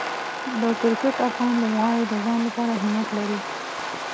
د کرکټ افغان لوبغاړي د ځان لپاره همت لري.